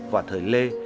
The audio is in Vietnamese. vào thời lê